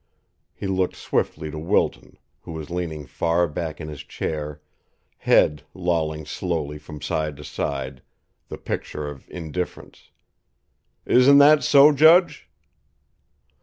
He looked swiftly to Wilton, who was leaning far back in his chair, head lolling slowly from side to side, the picture of indifference. "Isn't that so, judge?"